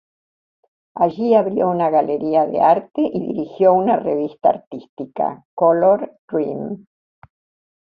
Allí abrió una galería de arte y dirigió una revista artística, "Color Rhyme".